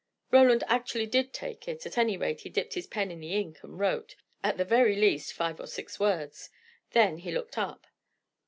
Roland actually did take it; at any rate, he dipped his pen in the ink, and wrote, at the very least, five or six words; then he looked up.